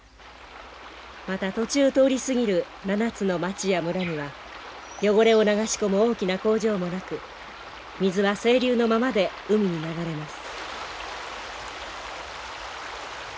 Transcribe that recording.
また途中通り過ぎる７つの町や村には汚れを流し込む大きな工場もなく水は清流のままで海に流れます。